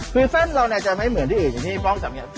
คือเส้นเราเนี่ยจะไม่เหมือนที่อื่นอย่างที่ป้องสำเนีย